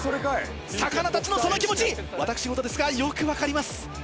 魚たちのその気持ち私事ですがよく分かります。